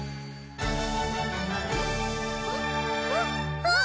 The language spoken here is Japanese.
あっ！